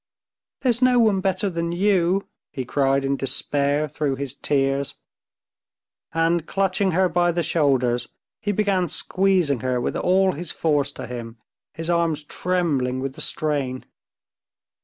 "There's no one better than you!..." he cried in despair through his tears, and, clutching her by the shoulders, he began squeezing her with all his force to him, his arms trembling with the strain.